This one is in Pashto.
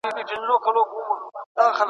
زه مي هغسي ښاغلی بیرغ غواړم `